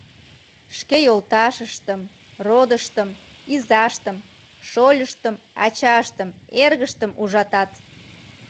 Шке йолташыштым, родыштым, изаштым, шольыштым, ачаштым, эргыштым ужатат.